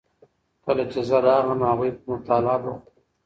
کله چې زه راغلم هغوی په مطالعه بوخت وو.